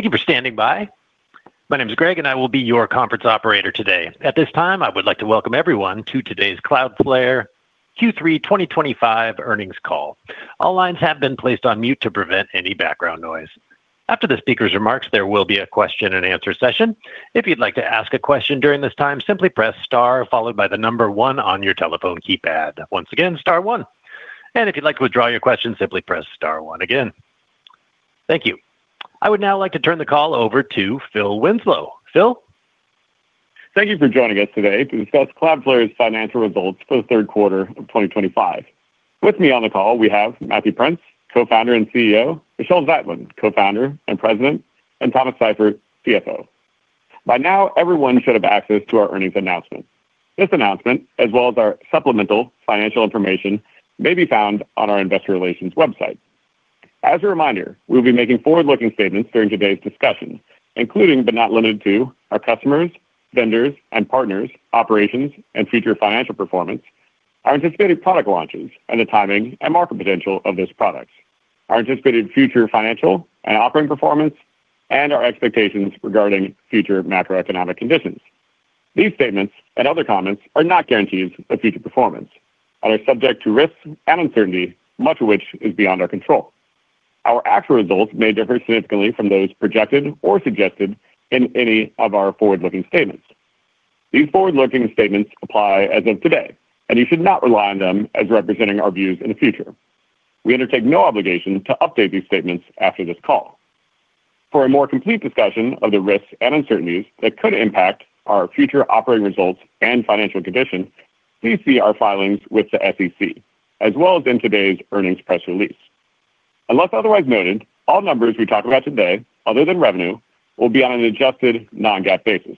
Thank you for standing by. My name is Greg, and I will be your conference operator today. At this time, I would like to welcome everyone to today's Cloudflare Q3 2025 earnings call. All lines have been placed on mute to prevent any background noise. After the speaker's remarks, there will be a question-and-answer session. If you'd like to ask a question during this time, simply press star followed by the number one on your telephone keypad. Once again, star one. If you'd like to withdraw your question, simply press star one again. Thank you. I would now like to turn the call over to Phil Winslow. Phil. Thank you for joining us today to discuss Cloudflare's financial results for the third quarter of 2025. With me on the call, we have Matthew Prince, Co-Founder and CEO, Michelle Zatlyn, Co-Founder and President, and Thomas Seifert, CFO. By now, everyone should have access to our earnings announcement. This announcement, as well as our supplemental financial information, may be found on our investor relations website. As a reminder, we will be making forward-looking statements during today's discussion, including but not limited to our customers, vendors, and partners' operations and future financial performance, our anticipated product launches, and the timing and market potential of those products, our anticipated future financial and operating performance, and our expectations regarding future macroeconomic conditions. These statements and other comments are not guarantees of future performance and are subject to risks and uncertainty, much of which is beyond our control. Our actual results may differ significantly from those projected or suggested in any of our forward-looking statements. These forward-looking statements apply as of today, and you should not rely on them as representing our views in the future. We undertake no obligation to update these statements after this call. For a more complete discussion of the risks and uncertainties that could impact our future operating results and financial condition, please see our filings with the SEC, as well as in today's earnings press release. Unless otherwise noted, all numbers we talk about today, other than revenue, will be on an adjusted non-GAAP basis.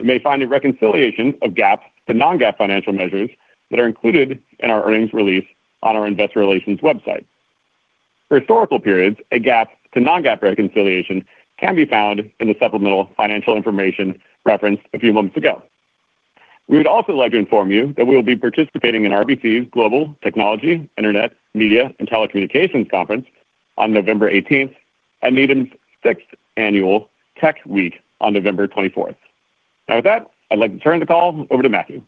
You may find a reconciliation of GAAP to non-GAAP financial measures that are included in our earnings release on our investor relations website. For historical periods, a GAAP to non-GAAP reconciliation can be found in the supplemental financial information referenced a few moments ago. We would also like to inform you that we will be participating in RBC's Global Technology, Internet, Media, and Telecommunications Conference on November 18th and NETIM's sixth annual Tech Week on November 24th. Now, with that, I'd like to turn the call over to Matthew.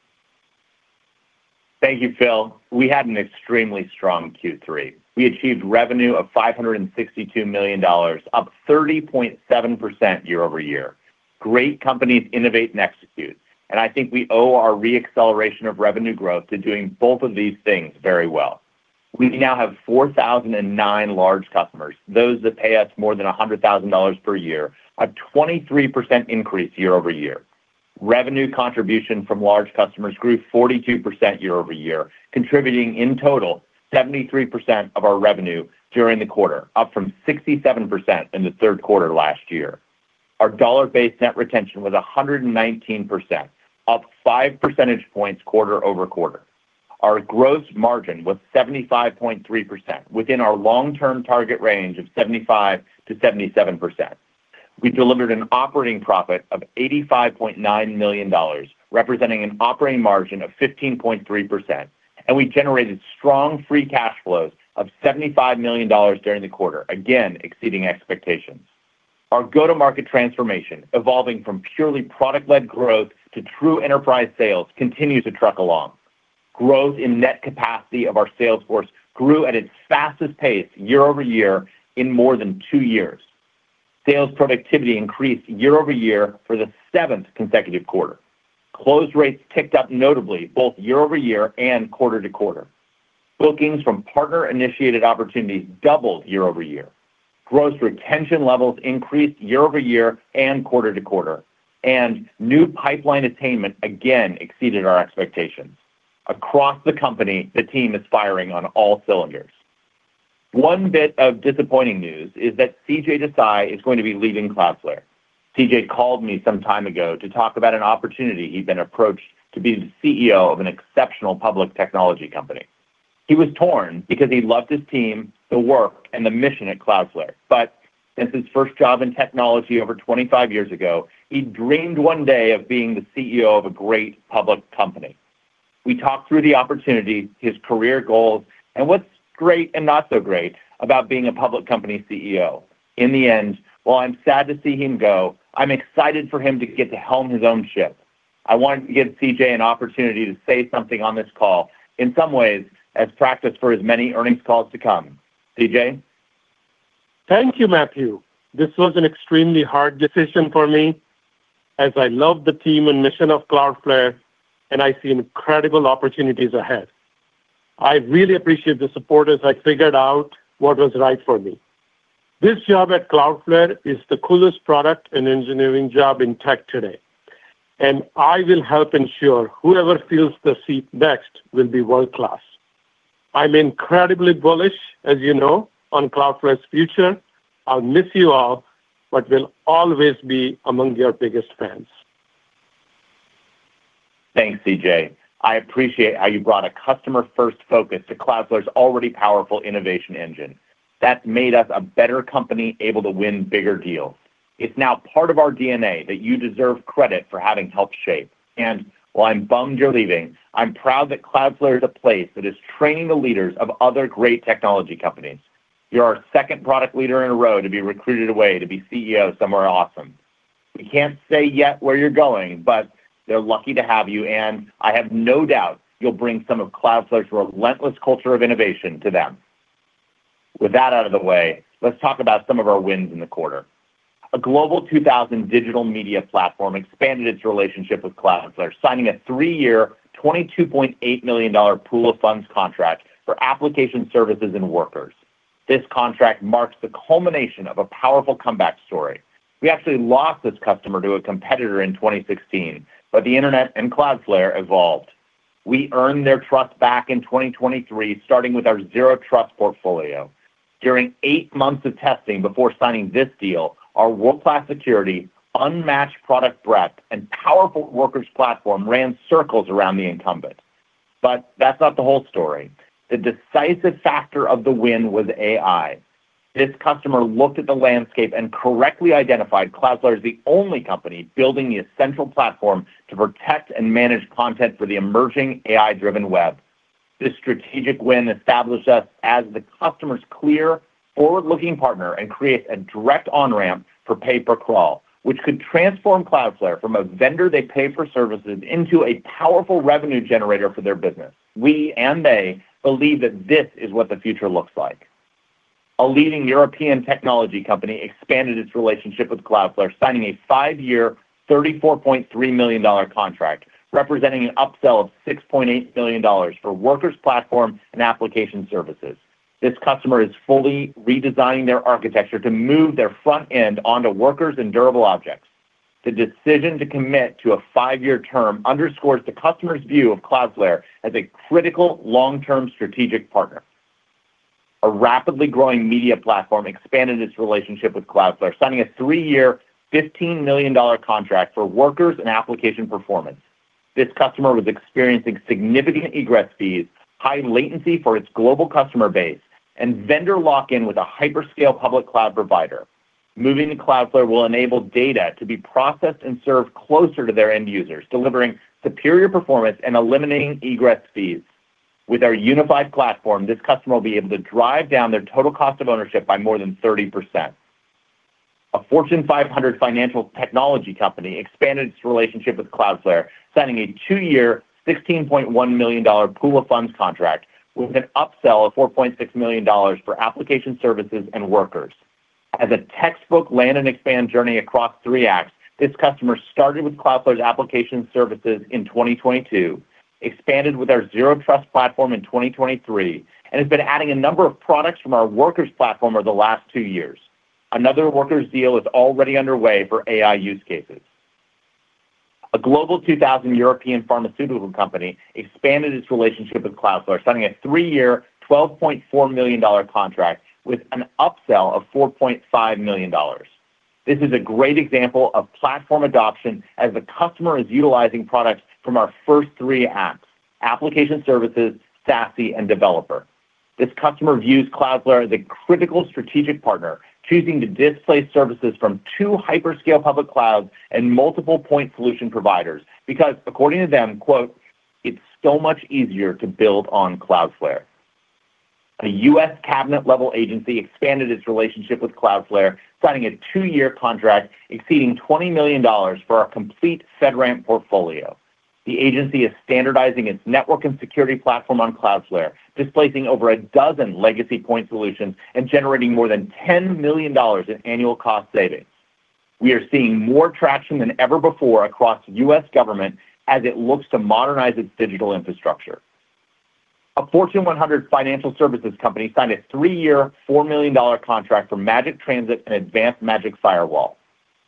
Thank you, Phil. We had an extremely strong Q3. We achieved revenue of $562 million, up 30.7% year-over-year. Great companies innovate and execute, and I think we owe our re-acceleration of revenue growth to doing both of these things very well. We now have 4,009 large customers, those that pay us more than $100,000 per year, a 23% increase year-over-year. Revenue contribution from large customers grew 42% year-over-year, contributing in total 73% of our revenue during the quarter, up from 67% in the third quarter last year. Our dollar-based net retention was 119%, up five percentage points quarter-over-quarter. Our gross margin was 75.3%, within our long-term target range of 75%-77%. We delivered an operating profit of $85.9 million, representing an operating margin of 15.3%, and we generated strong free cash flows of $75 million during the quarter, again exceeding expectations. Our go-to-market transformation, evolving from purely product-led growth to true enterprise sales, continues to truck along. Growth in net capacity of our sales force grew at its fastest pace year-over-year in more than two years. Sales productivity increased year-over-year for the seventh consecutive quarter. Close rates ticked up notably both year-over-year and quarter-to-quarter. Bookings from partner-initiated opportunities doubled year-over-year. Gross retention levels increased year-over-year and quarter-to-quarter, and new pipeline attainment again exceeded our expectations. Across the company, the team is firing on all cylinders. One bit of disappointing news is that CJ Desai is going to be leaving Cloudflare. CJ called me some time ago to talk about an opportunity he'd been approached to be the CEO of an exceptional public technology company. He was torn because he loved his team, the work, and the mission at Cloudflare. Since his first job in technology over 25 years ago, he dreamed one day of being the CEO of a great public company. We talked through the opportunity, his career goals, and what's great and not so great about being a public company CEO. In the end, while I'm sad to see him go, I'm excited for him to get to helm his own ship. I wanted to give CJ an opportunity to say something on this call, in some ways as practice for as many earnings calls to come. CJ? Thank you, Matthew. This was an extremely hard decision for me, as I love the team and mission of Cloudflare, and I see incredible opportunities ahead. I really appreciate the support as I figured out what was right for me. This job at Cloudflare is the coolest product and engineering job in tech today, and I will help ensure whoever fills the seat next will be world-class. I'm incredibly bullish, as you know, on Cloudflare's future. I'll miss you all, but will always be among your biggest fans. Thanks, CJ. I appreciate how you brought a customer-first focus to Cloudflare's already powerful innovation engine. That's made us a better company able to win bigger deals. It's now part of our DNA that you deserve credit for having helped shape. While I'm bummed you're leaving, I'm proud that Cloudflare is a place that is training the leaders of other great technology companies. You're our second product leader in a row to be recruited away to be CEO of somewhere awesome. We can't say yet where you're going, but they're lucky to have you, and I have no doubt you'll bring some of Cloudflare's relentless culture of innovation to them. With that out of the way, let's talk about some of our wins in the quarter. A Global 2000 digital media platform expanded its relationship with Cloudflare, signing a three-year, $22.8 million pool of funds contract for application services and workers. This contract marks the culmination of a powerful comeback story. We actually lost this customer to a competitor in 2016, but the internet and Cloudflare evolved. We earned their trust back in 2023, starting with our Zero Trust portfolio. During eight months of testing before signing this deal, our world-class security, unmatched product breadth, and powerful Workers platform ran circles around the incumbent. The decisive factor of the win was AI. This customer looked at the landscape and correctly identified Cloudflare as the only company building the essential platform to protect and manage content for the emerging AI-driven web. This strategic win established us as the customer's clear, forward-looking partner and creates a direct on-ramp for pay-per-crawl, which could transform Cloudflare from a vendor they pay for services into a powerful revenue generator for their business. We and they believe that this is what the future looks like. A leading European technology company expanded its relationship with Cloudflare, signing a five-year, $34.3 million contract, representing an upsell of $6.8 million for Workers platform and application services. This customer is fully redesigning their architecture to move their front end onto Workers and Durable Objects. The decision to commit to a five-year term underscores the customer's view of Cloudflare as a critical long-term strategic partner. A rapidly growing media platform expanded its relationship with Cloudflare, signing a three-year, $15 million contract for Workers and application performance. This customer was experiencing significant egress fees, high latency for its global customer base, and vendor lock-in with a hyperscale public cloud provider. Moving to Cloudflare will enable data to be processed and served closer to their end users, delivering superior performance and eliminating egress fees. With our unified platform, this customer will be able to drive down their total cost of ownership by more than 30%. A Fortune 500 financial technology company expanded its relationship with Cloudflare, signing a two-year, $16.1 million pool of funds contract with an upsell of $4.6 million for application services and Workers. As a textbook land and expand journey across three acts, this customer started with Cloudflare's application services in 2022, expanded with our Zero Trust platform in 2023, and has been adding a number of products from our Workers platform over the last two years. Another Workers deal is already underway for AI use cases. A Global 2000 European pharmaceutical company expanded its relationship with Cloudflare, signing a three-year, $12.4 million contract with an upsell of $4.5 million. This is a great example of platform adoption as the customer is utilizing products from our first three acts: application services, SASE, and developer. This customer views Cloudflare as a critical strategic partner, choosing to displace services from two hyperscale public clouds and multiple point solution providers because, according to them, "it's so much easier to build on Cloudflare." A U.S. cabinet-level agency expanded its relationship with Cloudflare, signing a two-year contract exceeding $20 million for our complete FedRAMP portfolio. The agency is standardizing its network and security platform on Cloudflare, displacing over a dozen legacy point solutions and generating more than $10 million in annual cost savings. We are seeing more traction than ever before across the U.S. government as it looks to modernize its digital infrastructure. A Fortune 100 financial services company signed a three-year, $4 million contract for Magic Transit and Advanced Magic Firewall.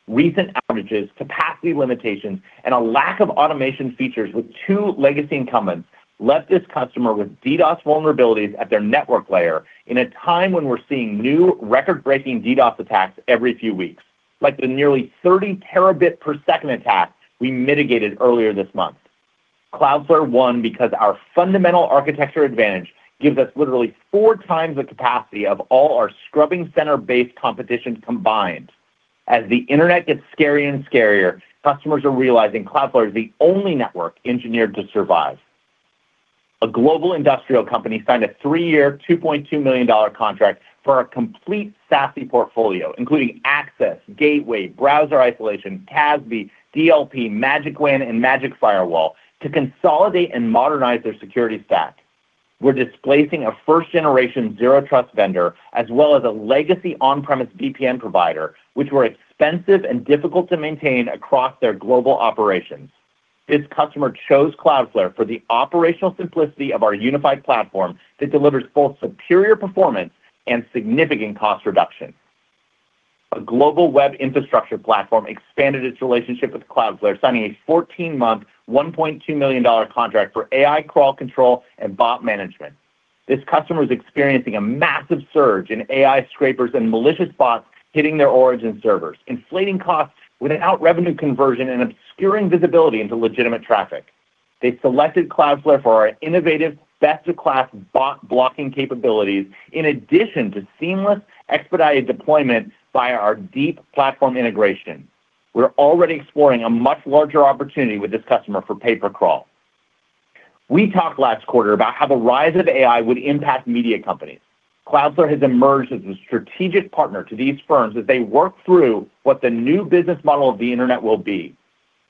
Recent outages, capacity limitations, and a lack of automation features with two legacy incumbents left this customer with DDoS vulnerabilities at their network layer in a time when we're seeing new record-breaking DDoS attacks every few weeks, like the nearly 30 Tbps attack we mitigated earlier this month. Cloudflare won because our fundamental architecture advantage gives us literally 4x the capacity of all our scrubbing center-based competitors combined. As the internet gets scarier and scarier, customers are realizing Cloudflare is the only network engineered to survive. A global industrial company signed a three-year, $2.2 million contract for a complete SASE portfolio, including access, gateway, browser isolation, CASB, DLP, Magic WAN, and Magic Firewall, to consolidate and modernize their security stack. We're displacing a first-generation zero trust vendor as well as a legacy on-premise VPN provider, which were expensive and difficult to maintain across their global operations. This customer chose Cloudflare for the operational simplicity of our unified platform that delivers both superior performance and significant cost reduction. A global web infrastructure platform expanded its relationship with Cloudflare, signing a 14-month, $1.2 million contract for AI crawl control and bot management. This customer is experiencing a massive surge in AI scrapers and malicious bots hitting their origin servers, inflating costs without revenue conversion and obscuring visibility into legitimate traffic. They selected Cloudflare for our innovative, best-of-class bot blocking capabilities in addition to seamless, expedited deployment via our deep platform integration. We're already exploring a much larger opportunity with this customer for pay-per-crawl. We talked last quarter about how the rise of AI would impact media companies. Cloudflare has emerged as a strategic partner to these firms as they work through what the new business model of the internet will be.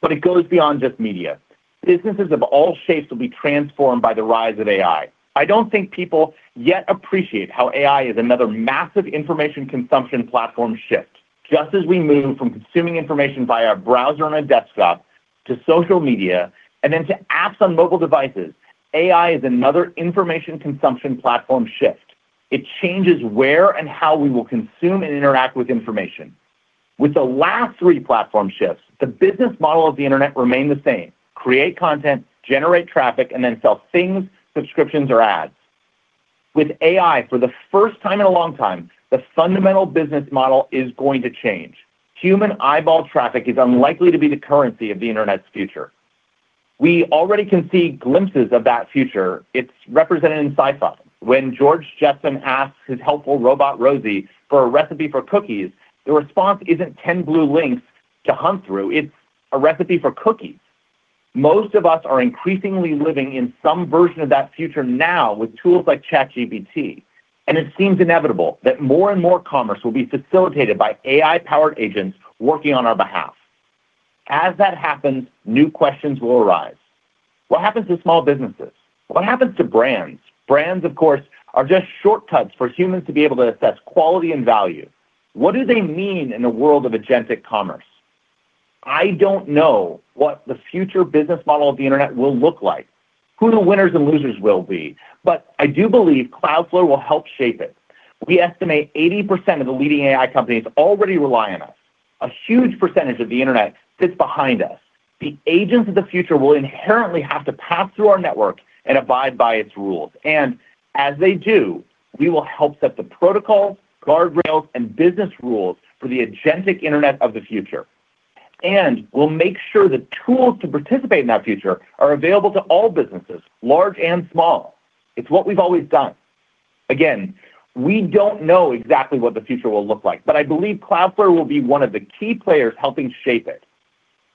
It goes beyond just media. Businesses of all shapes will be transformed by the rise of AI. I don't think people yet appreciate how AI is another massive information consumption platform shift. Just as we move from consuming information via a browser on a desktop to social media and then to apps on mobile devices, AI is another information consumption platform shift. It changes where and how we will consume and interact with information. With the last three platform shifts, the business model of the internet remained the same: create content, generate traffic, and then sell things, subscriptions, or ads. With AI, for the first time in a long time, the fundamental business model is going to change. Human eyeball traffic is unlikely to be the currency of the internet's future. We already can see glimpses of that future. It's represented in sci-fi. When George Jetson asks his helpful robot, Rosie, for a recipe for cookies, the response isn't 10 blue links to hunt through. It's a recipe for cookies. Most of us are increasingly living in some version of that future now with tools like ChatGPT, and it seems inevitable that more and more commerce will be facilitated by AI-powered agents working on our behalf. As that happens, new questions will arise. What happens to small businesses? What happens to brands? Brands, of course, are just shortcuts for humans to be able to assess quality and value. What do they mean in a world of agentic commerce? I don't know what the future business model of the internet will look like, who the winners and losers will be, but I do believe Cloudflare will help shape it. We estimate 80% of the leading AI companies already rely on us. A huge percentage of the internet sits behind us. The agents of the future will inherently have to pass through our network and abide by its rules. As they do, we will help set the protocols, guardrails, and business rules for the agentic internet of the future. We'll make sure the tools to participate in that future are available to all businesses, large and small. It's what we've always done. We don't know exactly what the future will look like, but I believe Cloudflare will be one of the key players helping shape it.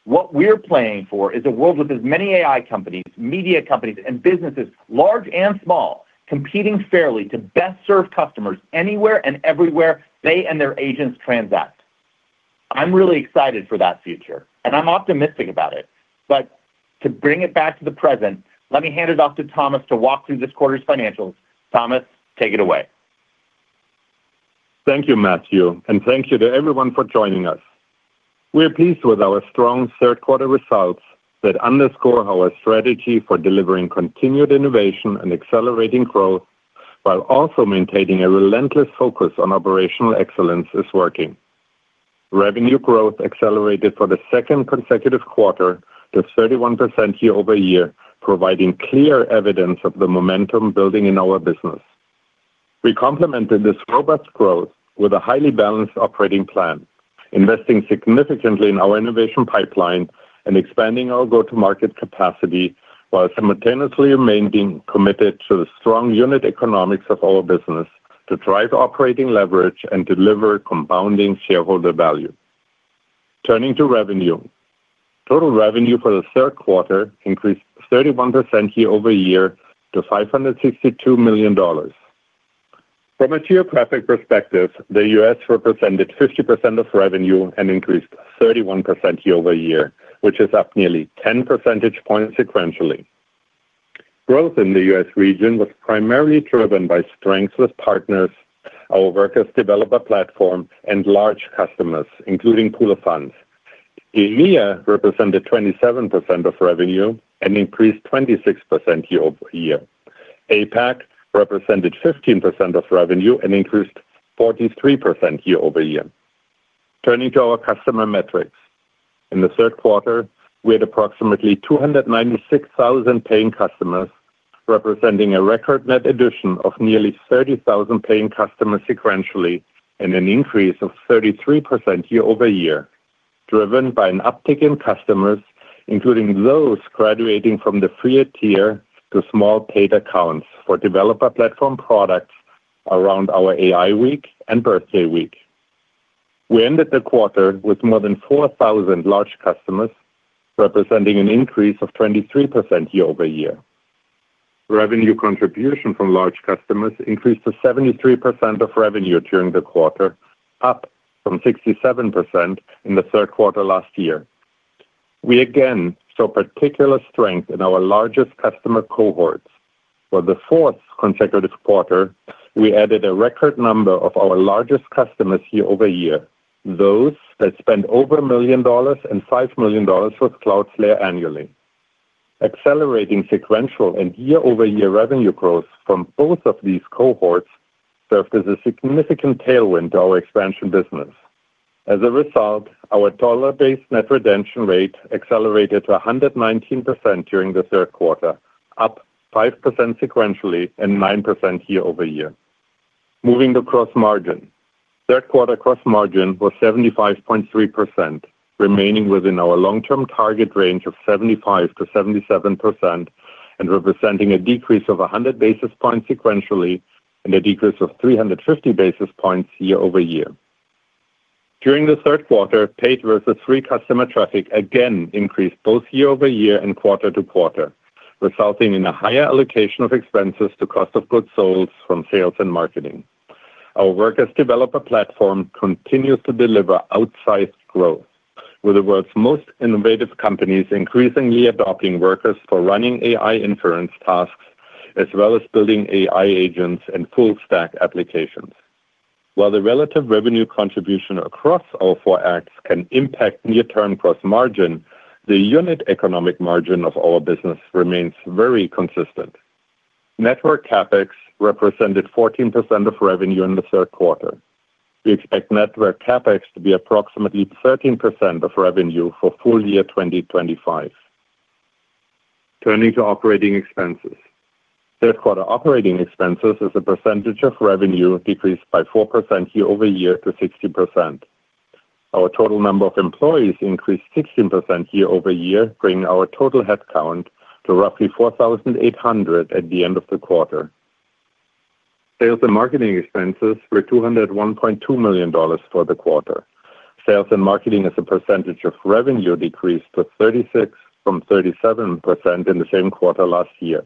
What we're playing for is a world with as many AI companies, media companies, and businesses, large and small, competing fairly to best serve customers anywhere and everywhere they and their agents transact. I'm really excited for that future, and I'm optimistic about it. To bring it back to the present, let me hand it off to Thomas to walk through this quarter's financials. Thomas, take it away. Thank you, Matthew, and thank you to everyone for joining us. We're pleased with our strong third-quarter results that underscore how our strategy for delivering continued innovation and accelerating growth while also maintaining a relentless focus on operational excellence is working. Revenue growth accelerated for the second consecutive quarter to 31% year-over-year, providing clear evidence of the momentum building in our business. We complemented this robust growth with a highly balanced operating plan, investing significantly in our innovation pipeline and expanding our go-to-market capacity while simultaneously remaining committed to the strong unit economics of our business to drive operating leverage and deliver compounding shareholder value. Turning to revenue, total revenue for the third quarter increased 31% year-over-year to $562 million. From a geographic perspective, the U.S. represented 50% of revenue and increased 31% year-over-year, which is up nearly 10 percentage points sequentially. Growth in the U.S. region was primarily driven by strengths with partners, our Cloudflare Workers developer platform, and large customers, including pool of funds. EMEA represented 27% of revenue and increased 26% year-over-year. APAC represented 15% of revenue and increased 43% year-over-year. Turning to our customer metrics, in the third quarter, we had approximately 296,000 paying customers, representing a record net addition of nearly 30,000 paying customers sequentially and an increase of 33% year-over-year, driven by an uptick in customers, including those graduating from the free tier to small paid accounts for developer platform products around our AI week and Birthday Week. We ended the quarter with more than 4,000 large customers, representing an increase of 23% year-over-year. Revenue contribution from large customers increased to 73% of revenue during the quarter, up from 67% in the third quarter last year. We again saw particular strength in our largest customer cohorts. For the fourth consecutive quarter, we added a record number of our largest customers year-over-year, those that spent over $1 million and $5 million with Cloudflare annually. Accelerating sequential and year-over-year revenue growth from both of these cohorts served as a significant tailwind to our expansion business. As a result, our dollar-based net retention rate accelerated to 119% during the third quarter, up 5% sequentially and 9% year-over-year. Moving to gross margin, third quarter gross margin was 75.3%, remaining within our long-term target range of 75%-77% and representing a decrease of 100 basis points sequentially and a decrease of 350 basis points year-over-year. During the third quarter, paid versus free customer traffic again increased both year-over-year and quarter-to-quarter, resulting in a higher allocation of expenses to cost of goods sold from sales and marketing. Our Cloudflare Workers developer platform continues to deliver outsized growth, with the world's most innovative companies increasingly adopting Workers for running AI inference tasks as well as building AI agents and full-stack applications. While the relative revenue contribution across all four acts can impact near-term gross margin, the unit economic margin of our business remains very consistent. Network CapEx represented 14% of revenue in the third quarter. We expect network CapEx to be approximately 13% of revenue for full year 2025. Turning to operating expenses, third quarter operating expenses as a percentage of revenue decreased by 4% year-over-year to 60%. Our total number of employees increased 16% year-over-year, bringing our total headcount to roughly 4,800 at the end of the quarter. Sales and marketing expenses were $201.2 million for the quarter. Sales and marketing as a percentage of revenue decreased to 36% from 37% in the same quarter last year.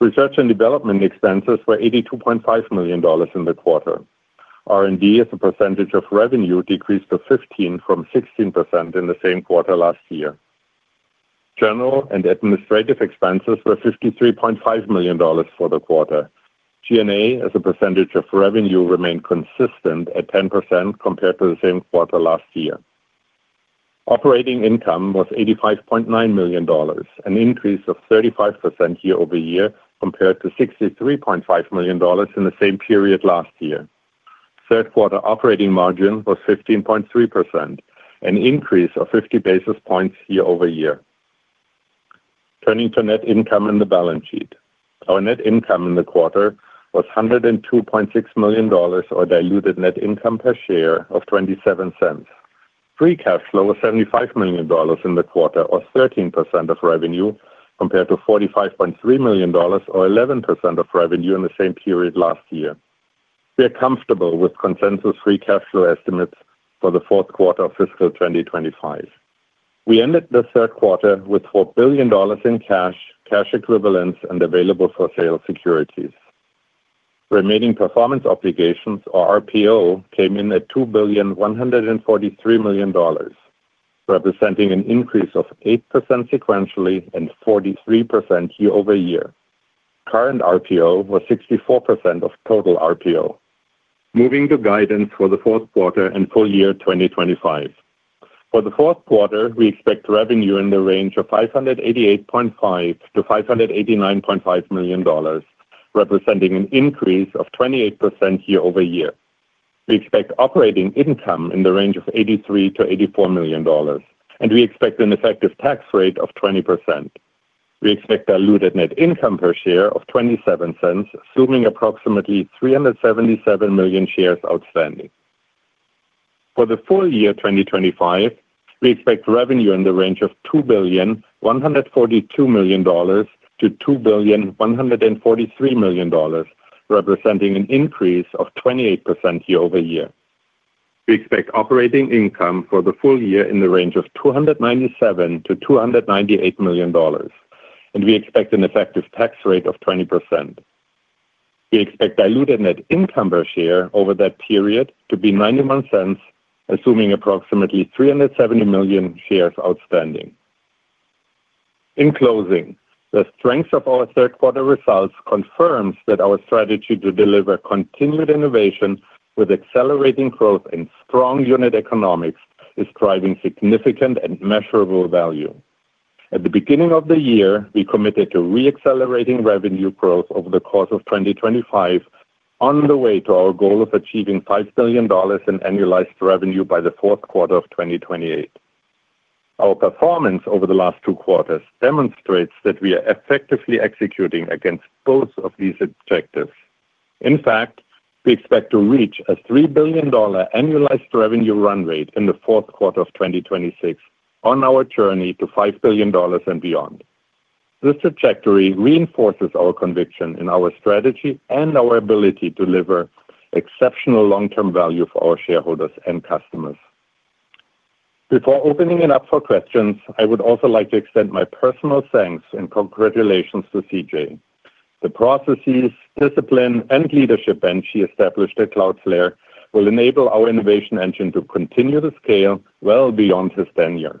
Research and development expenses were $82.5 million in the quarter. R&D as a percentage of revenue decreased to 15% from 16% in the same quarter last year. General and administrative expenses were $53.5 million for the quarter. G&A as a percentage of revenue remained consistent at 10% compared to the same quarter last year. Operating income was $85.9 million, an increase of 35% year-over-year compared to $63.5 million in the same period last year. Third quarter operating margin was 15.3%, an increase of 50 basis points year-over-year. Turning to net income in the balance sheet, our net income in the quarter was $102.6 million, or diluted net income per share of $0.27. Free cash flow was $75 million in the quarter, or 13% of revenue, compared to $45.3 million, or 11% of revenue in the same period last year. We are comfortable with consensus free cash flow estimates for the fourth quarter of fiscal 2025. We ended the third quarter with $4 billion in cash, cash equivalents, and available for sale securities. Remaining performance obligations, or RPO, came in at $2.143 billion, representing an increase of 8% sequentially and 43% year-over-year. Current RPO was 64% of total RPO. Moving to guidance for the fourth quarter and full year 2025, for the fourth quarter, we expect revenue in the range of $588.5 million-$589.5 million, representing an increase of 28% year-over-year. We expect operating income in the range of $83 million-$84 million, and we expect an effective tax rate of 20%. We expect diluted net income per share of $0.27, assuming approximately 377 million shares outstanding. For the full year 2025, we expect revenue in the range of $2.142 billion-$2.143 billion, representing an increase of 28% year-over-year. We expect operating income for the full year in the range of $297 million-$298 million, and we expect an effective tax rate of 20%. We expect diluted net income per share over that period to be $0.91, assuming approximately 370 million shares outstanding. In closing, the strength of our third-quarter results confirms that our strategy to deliver continued innovation with accelerating growth and strong unit economics is driving significant and measurable value. At the beginning of the year, we committed to re-accelerating revenue growth over the course of 2025 on the way to our goal of achieving $5 billion in annualized revenue by the fourth quarter of 2028. Our performance over the last two quarters demonstrates that we are effectively executing against both of these objectives. In fact, we expect to reach a $3 billion annualized revenue run rate in the fourth quarter of 2026 on our journey to $5 billion and beyond. This trajectory reinforces our conviction in our strategy and our ability to deliver exceptional long-term value for our shareholders and customers. Before opening it up for questions, I would also like to extend my personal thanks and congratulations to CJ. The processes, discipline, and leadership CJ established at Cloudflare will enable our innovation engine to continue to scale well beyond his tenure.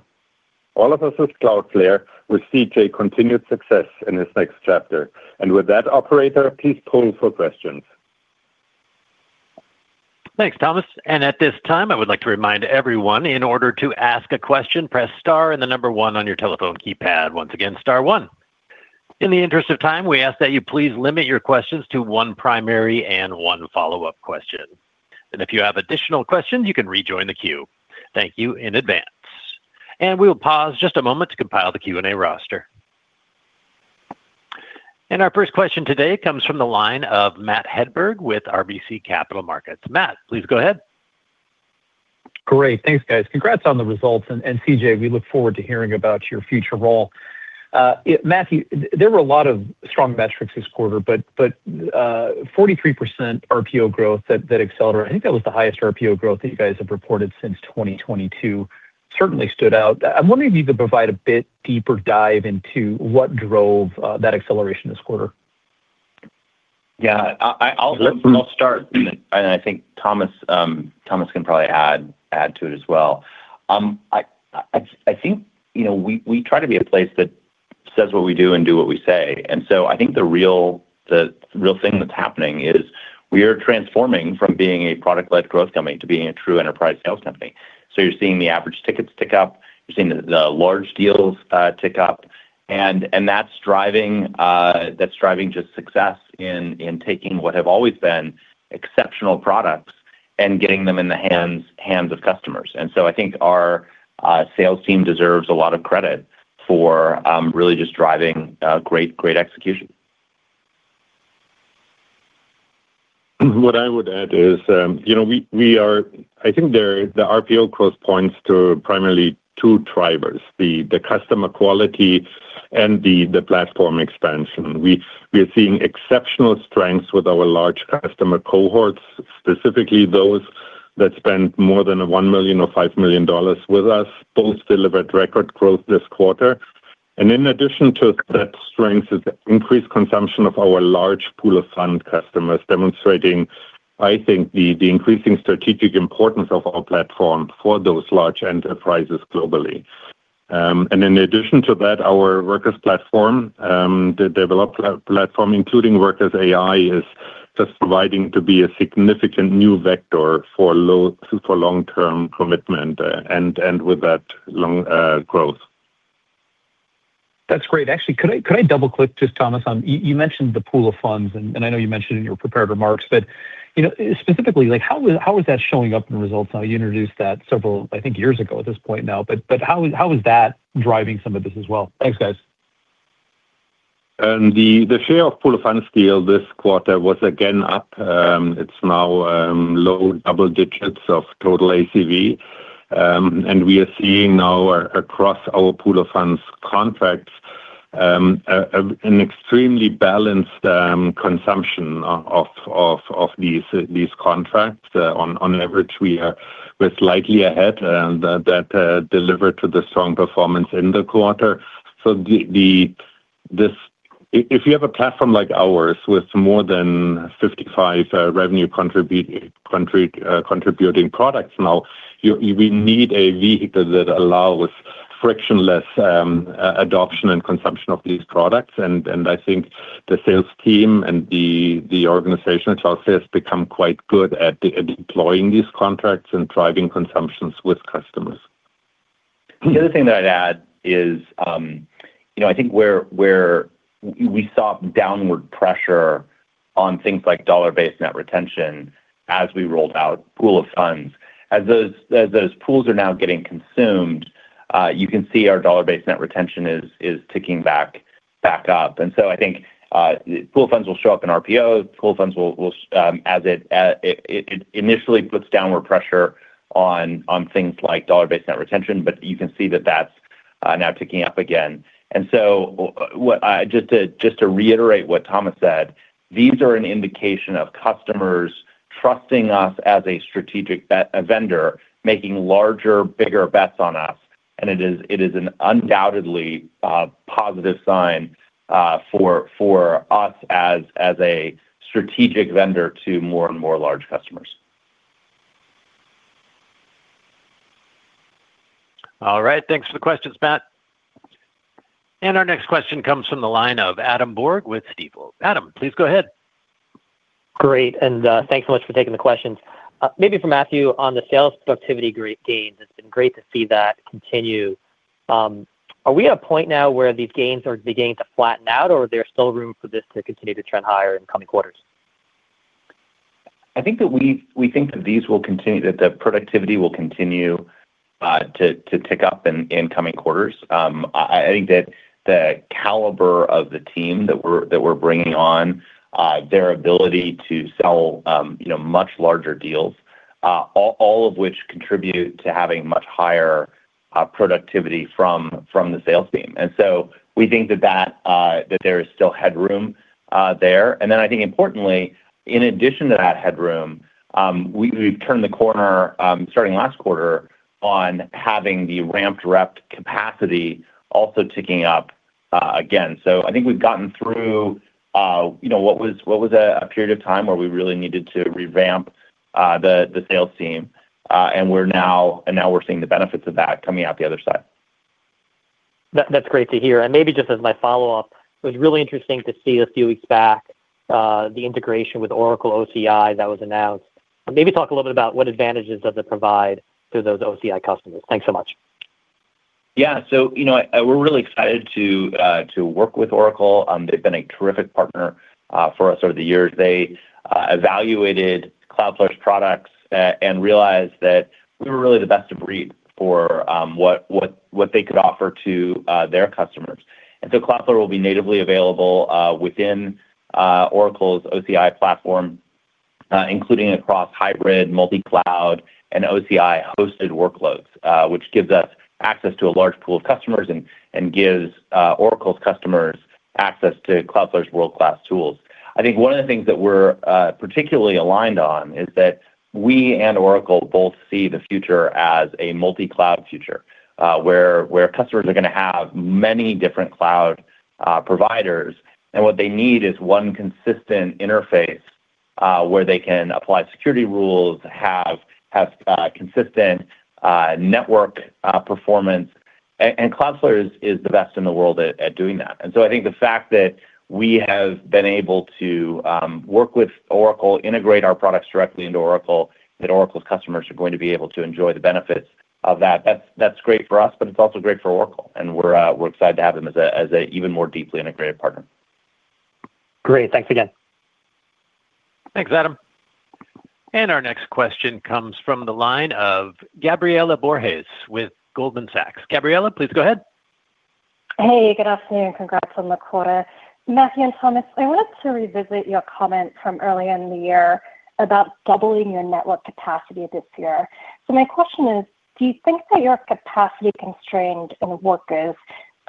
All of us at Cloudflare wish CJ continued success in his next chapter. With that, operator, please pull for questions. Thanks, Thomas. At this time, I would like to remind everyone, in order to ask a question, press star and the number one on your telephone keypad. Once again, star one. In the interest of time, we ask that you please limit your questions to one primary and one follow-up question. If you have additional questions, you can rejoin the queue. Thank you in advance. We'll pause just a moment to compile the Q&A roster. Our first question today comes from the line of Matt Hedberg with RBC Capital Markets. Matt, please go ahead. Great. Thanks, guys. Congrats on the results. CJ, we look forward to hearing about your future role. Matthew, there were a lot of strong metrics this quarter. 43% RPO growth that accelerated, I think that was the highest RPO growth that you guys have reported since 2022, certainly stood out. I'm wondering if you could provide a bit deeper dive into what drove that acceleration this quarter. Yeah. I'll start. I think Thomas can probably add to it as well. I think we try to be a place that says what we do and do what we say. I think the real thing that's happening is we are transforming from being a product-led growth company to being a true enterprise sales company. You're seeing the average tickets tick up, you're seeing the large deals tick up, and that's driving just success in taking what have always been exceptional products and getting them in the hands of customers. I think our sales team deserves a lot of credit for really just driving great execution. What I would add is I think the RPO growth points to primarily two drivers: the customer quality and the platform expansion. We are seeing exceptional strengths with our large customer cohorts, specifically those that spent more than $1 million or $5 million with us, both delivered record growth this quarter. In addition to that strength is the increased consumption of our large pool of fund customers, demonstrating, I think, the increasing strategic importance of our platform for those large enterprises globally. In addition to that, our Workers platform, the development platform including Workers AI, is just proving to be a significant new vector for long-term commitment and with that, growth. That's great. Actually, could I double-click just, Thomas? You mentioned the pool of funds, and I know you mentioned in your prepared remarks that, specifically, how is that showing up in results now? You introduced that several, I think, years ago at this point now. How is that driving some of this as well? Thanks, guys. The share of pool of funds scale this quarter was again up. It's now low double digits of total ACV. We are seeing now, across our pool of funds contracts, an extremely balanced consumption of these contracts. On average, we are slightly ahead and that delivered to the strong performance in the quarter. If you have a platform like ours with more than 55 revenue-contributing products now, we need a vehicle that allows frictionless adoption and consumption of these products. I think the sales team and the organization itself has become quite good at deploying these contracts and driving consumptions with customers. The other thing that I'd add is I think we saw downward pressure on things like dollar-based net retention as we rolled out pool of funds. As those pools are now getting consumed, you can see our dollar-based net retention is ticking back up. I think pool of funds will show up in RPOs. Pool of funds will, as it initially puts downward pressure on things like dollar-based net retention, but you can see that that's now ticking up again. Just to reiterate what Thomas said, these are an indication of customers trusting us as a strategic vendor, making larger, bigger bets on us. It is an undoubtedly positive sign for us as a strategic vendor to more and more large customers. All right. Thanks for the questions, Matt. Our next question comes from the line of Adam Borg with Steve Woolf. Adam, please go ahead. Great. Thanks so much for taking the questions. Maybe for Matthew, on the sales productivity gains, it's been great to see that continue. Are we at a point now where these gains are beginning to flatten out, or is there still room for this to continue to trend higher in coming quarters? I think that we think that these will continue, that the productivity will continue to tick up in coming quarters. I think that the caliber of the team that we're bringing on, their ability to sell much larger deals, all of which contribute to having much higher productivity from the sales team. We think that there is still headroom there. I think, importantly, in addition to that headroom, we've turned the corner starting last quarter on having the ramped rep capacity also ticking up again. I think we've gotten through what was a period of time where we really needed to revamp the sales team, and now we're seeing the benefits of that coming out the other side. That's great to hear. Maybe just as my follow-up, it was really interesting to see a few weeks back, the integration with Oracle OCI that was announced. Maybe talk a little bit about what advantages does it provide to those OCI customers. Thanks so much. Yeah, we're really excited to work with Oracle. They've been a terrific partner for us over the years. They evaluated Cloudflare's products and realized that we were really the best of breed for what they could offer to their customers. Cloudflare will be natively available within Oracle's OCI platform, including across hybrid, multi-cloud, and OCI-hosted workloads, which gives us access to a large pool of customers and gives Oracle's customers access to Cloudflare's world-class tools. I think one of the things that we're particularly aligned on is that we and Oracle both see the future as a multi-cloud future, where customers are going to have many different cloud providers. What they need is one consistent interface where they can apply security rules and have consistent network performance. Cloudflare is the best in the world at doing that. I think the fact that we have been able to work with Oracle, integrate our products directly into Oracle, that Oracle's customers are going to be able to enjoy the benefits of that, that's great for us, but it's also great for Oracle. We're excited to have them as an even more deeply integrated partner. Great, thanks again. Thanks, Adam. Our next question comes from the line of Gabriela Borges with Goldman Sachs. Gabriela, please go ahead. Hey, good afternoon. Congrats on the quarter. Matthew and Thomas, I wanted to revisit your comment from earlier in the year about doubling your network capacity this year. My question is, do you think that your capacity constraint in Workers,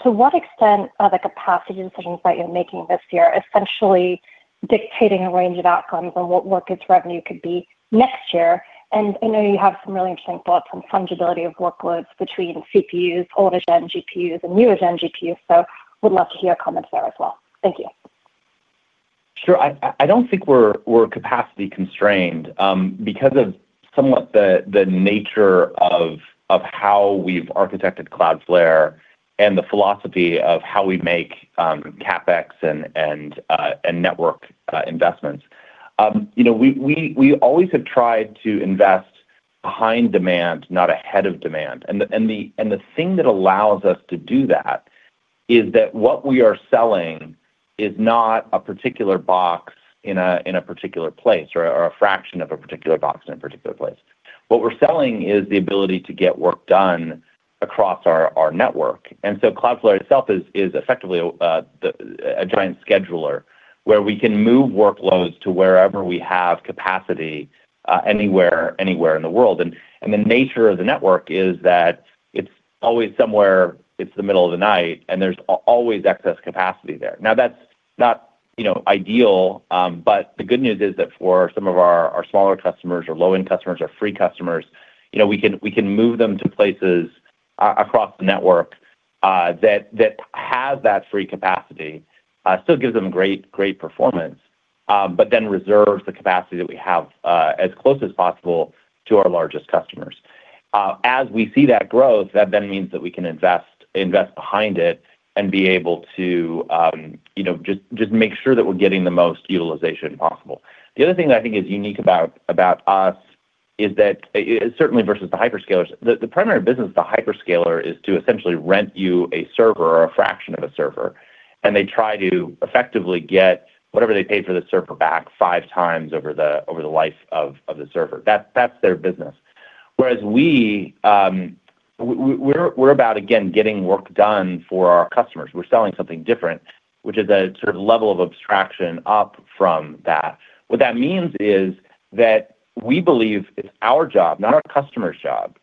to what extent are the capacity decisions that you're making this year essentially dictating a range of outcomes on what Workers' revenue could be next year? I know you have some really interesting thoughts on fungibility of workloads between CPUs, older-gen GPUs, and newer-gen GPUs. We'd love to hear your comments there as well. Thank you. Sure. I don't think we're capacity constrained because of somewhat the nature of how we've architected Cloudflare and the philosophy of how we make CapEx and network investments. We always have tried to invest behind demand, not ahead of demand. The thing that allows us to do that is that what we are selling is not a particular box in a particular place or a fraction of a particular box in a particular place. What we're selling is the ability to get work done across our network. Cloudflare itself is effectively a giant scheduler where we can move workloads to wherever we have capacity anywhere in the world. The nature of the network is that it's always somewhere; it's the middle of the night, and there's always excess capacity there. Now, that's not ideal, but the good news is that for some of our smaller customers or low-end customers or free customers, we can move them to places across the network that have that free capacity, still gives them great performance, but then reserves the capacity that we have as close as possible to our largest customers. As we see that growth, that then means that we can invest behind it and be able to just make sure that we're getting the most utilization possible. The other thing that I think is unique about us is that, certainly versus the hyperscalers, the primary business of the hyperscaler is to essentially rent you a server or a fraction of a server. They try to effectively get whatever they paid for the server back 5x over the life of the server. That's their business. Whereas we, we're about, again, getting work done for our customers. We're selling something different, which is a sort of level of abstraction up from that. What that means is that we believe it's our job, not our customer's job,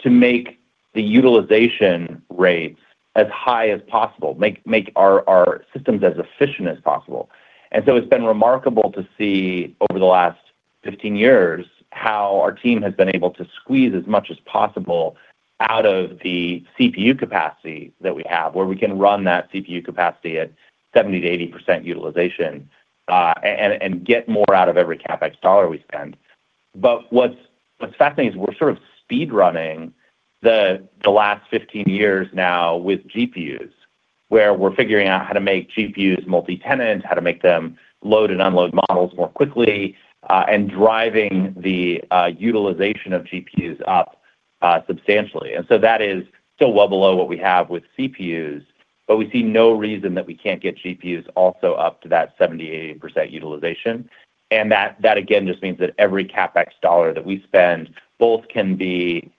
to make the utilization rates as high as possible, make our systems as efficient as possible. It's been remarkable to see over the last 15 years how our team has been able to squeeze as much as possible out of the CPU capacity that we have, where we can run that CPU capacity at 70%-80% utilization and get more out of every CapEx dollar we spend. What's fascinating is we're sort of speedrunning the last 15 years now with GPUs, where we're figuring out how to make GPUs multi-tenant, how to make them load and unload models more quickly, and driving the utilization of GPUs up substantially. That is still well below what we have with CPUs, but we see no reason that we can't get GPUs also up to that 70%-80% utilization. That, again, just means that every CapEx dollar that we spend both can be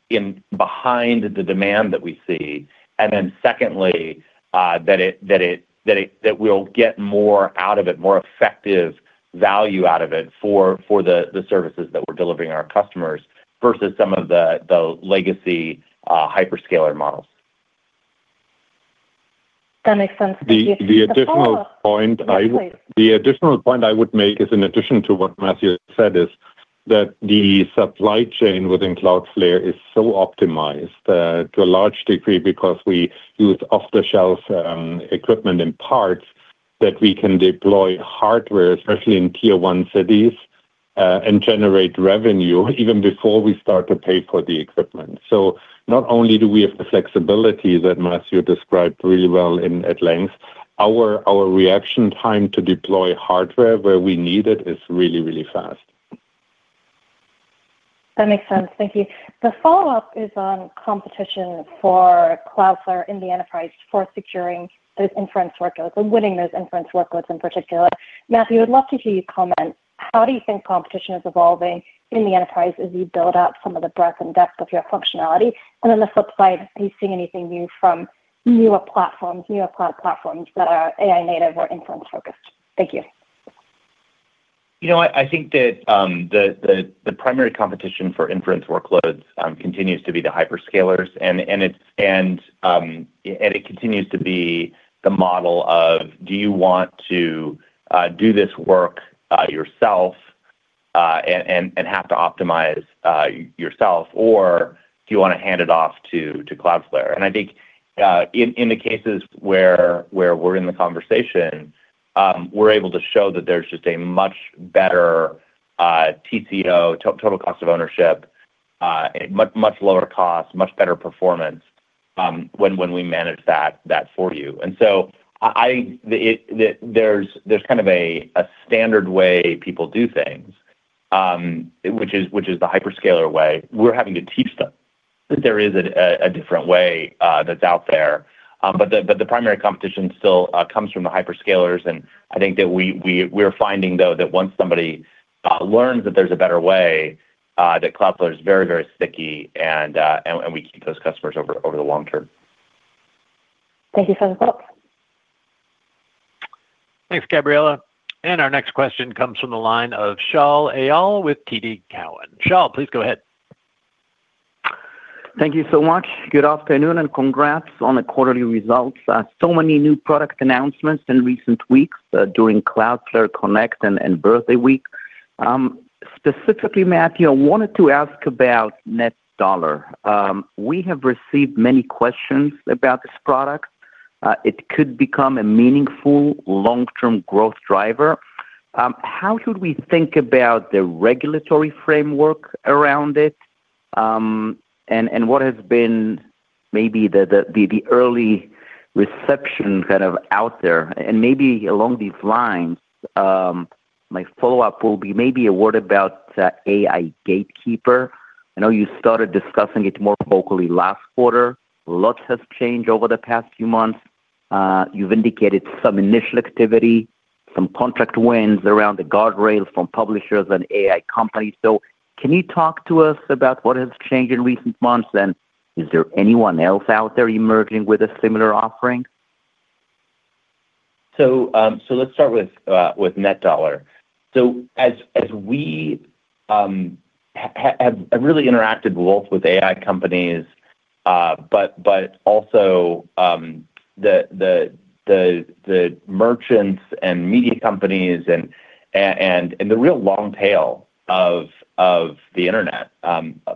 behind the demand that we see, and then secondly, that we'll get more out of it, more effective value out of it for the services that we're delivering to our customers versus some of the legacy hyperscale cloud solutions. That makes sense. The additional point. Please, go ahead. The additional point I would make is in addition to what Matthew said, is that the supply chain within Cloudflare is so optimized to a large degree because we use off-the-shelf equipment and parts that we can deploy hardware, especially in Tier 1 cities, and generate revenue even before we start to pay for the equipment. Not only do we have the flexibility that Matthew described really well at length, our reaction time to deploy hardware where we need it is really, really fast. That makes sense. Thank you. The follow-up is on competition for Cloudflare in the enterprise for securing those inference workloads and winning those inference workloads in particular. Matthew, I'd love to hear you comment. How do you think competition is evolving in the enterprise as you build out some of the breadth and depth of your functionality? On the flip side, are you seeing anything new from newer platforms, newer cloud platforms that are AI-native or inference-focused? Thank you. I think the primary competition for inference workloads continues to be the hyperscalers. It continues to be the model of, do you want to do this work yourself and have to optimize yourself, or do you want to hand it off to Cloudflare? I think in the cases where we're in the conversation, we're able to show that there's just a much better TCO, total cost of ownership, much lower cost, much better performance when we manage that for you. I think there's kind of a standard way people do things, which is the hyperscaler way. We're having to teach them that there is a different way that's out there. The primary competition still comes from the hyperscalers. I think that we're finding, though, that once somebody learns that there's a better way, that Cloudflare is very, very sticky, and we keep those customers over the long-term. Thank you for the thoughts. Thanks, Gabriela. Our next question comes from the line of Shaul Eyal with TD Cowen. Shaul, please go ahead. Thank you so much. Good afternoon and congrats on the quarterly results. So many new product announcements in recent weeks during Cloudflare Connect and Birthday Week. Specifically, Matthew, I wanted to ask about NET Dollar. We have received many questions about this product. It could become a meaningful long-term growth driver. How should we think about the regulatory framework around it? What has been maybe the early reception kind of out there? Along these lines, my follow-up will be maybe a word about AI Gatekeeper. I know you started discussing it more vocally last quarter. Lots has changed over the past few months. You've indicated some initial activity, some contract wins around the guardrails from publishers and AI companies. Can you talk to us about what has changed in recent months? Is there anyone else out there emerging with a similar offering? Let's start with NET Dollar. As we have really interacted both with AI companies, but also the merchants and media companies and the real long tail of the internet,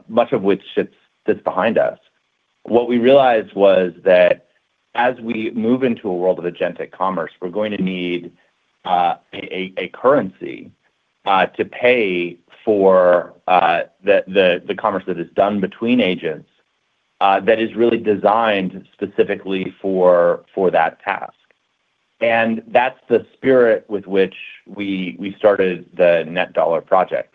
much of which sits behind us, what we realized was that as we move into a world of agentic commerce, we're going to need a currency to pay for the commerce that is done between agents that is really designed specifically for that task. That's the spirit with which we started the NET Dollar project.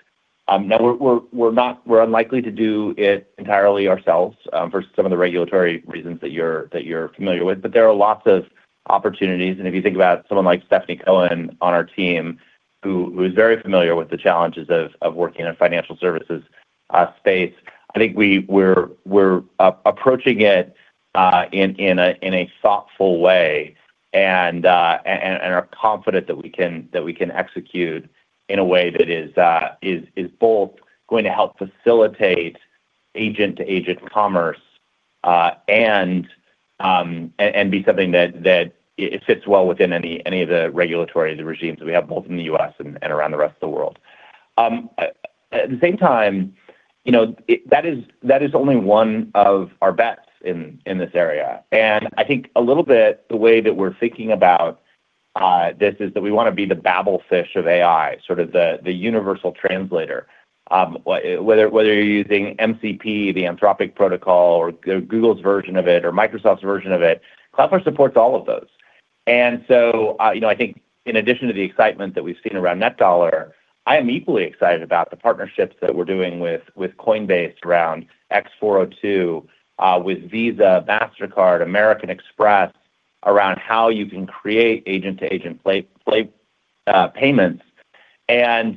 We're unlikely to do it entirely ourselves for some of the regulatory reasons that you're familiar with, but there are lots of opportunities. If you think about someone like Stephanie Cohen on our team, who is very familiar with the challenges of working in the financial services space, I think we're approaching it in a thoughtful way and are confident that we can execute in a way that is both going to help facilitate agent-to-agent commerce and be something that fits well within any of the regulatory regimes we have, both in the U.S. and around the rest of the world. At the same time, that is only one of our bets in this area. I think a little bit the way that we're thinking about this is that we want to be the Babelfish of AI, sort of the universal translator. Whether you're using MCP, the Anthropic protocol, or Google's version of it or Microsoft's version of it, Cloudflare supports all of those. In addition to the excitement that we've seen around NET Dollar, I am equally excited about the partnerships that we're doing with Coinbase around X.402, with Visa, MasterCard, American Express, around how you can create agent-to-agent payments. I